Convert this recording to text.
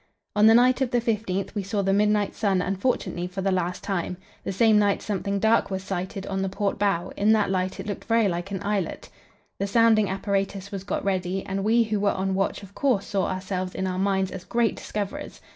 On the night of the 15th we saw the midnight sun unfortunately for the last time. The same night something dark was sighted on the port bow; in that light it looked very like an islet. The sounding apparatus was got ready, and we who were on watch of course saw ourselves in our minds as great discoverers.